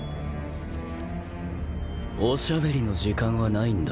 おしゃべりの時間はないんだ。